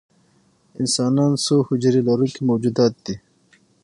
انسانان څو حجرې لرونکي موجودات دي